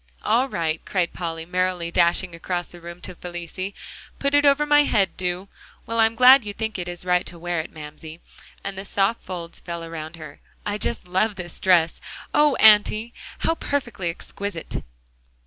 "All right," cried Polly, merrily dashing across the room to Felicie, "put it over my head, do. Well, I'm glad you think it is right to wear it, Mamsie," as the soft folds fell around her. "I just love this dress. Oh, Auntie! how perfectly exquisite!"